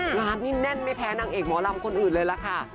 งานนี้แน่นไม่แพ้นางเอกหมอลำคนอื่นเลยล่ะค่ะ